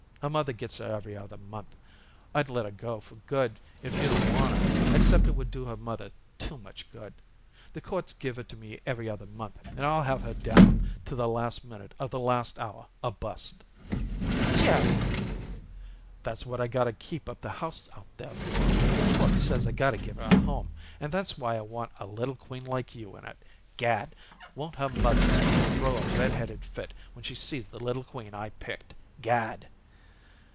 Her mother gets her every other month. I'd let her go for good if you don't want her, except it would do her mother too much good. The courts give her to me every other month and I'll have her down to the last minute of the last hour or bust." "Jerry!" "That's what I gotta keep up the house out there for. The court says I gotta give her a home, and that's why I want a little queen like you in it. Gad! Won't her mother throw a red headed fit when she sees the little queen I picked! Gad!"